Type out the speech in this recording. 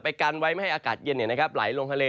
กันไว้ไม่ให้อากาศเย็นไหลลงทะเล